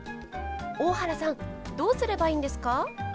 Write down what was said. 大原さんどうすればいいんですか？